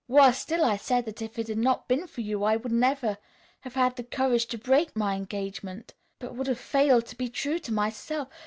Worse still, I said that if it had not been for you I would never have had the courage to break my engagement, but would have failed to be true to myself.